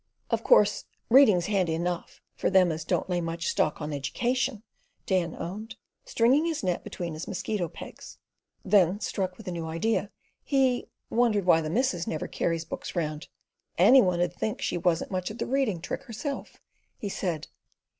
"Of course reading's handy enough for them as don't lay much stock on education," Dan owned, stringing his net between his mosquito pegs, then, struck with a new idea, he "wondered why the missus never carries books round. Any one 'ud think she wasn't much at the reading trick herself," he said.